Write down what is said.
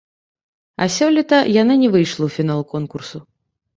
А сёлета яна не выйшла ў фінал конкурсу.